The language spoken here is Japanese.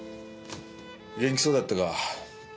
元気そうだったか？